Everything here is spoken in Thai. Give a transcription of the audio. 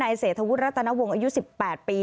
เศรษฐวุฒิรัตนวงศ์อายุ๑๘ปี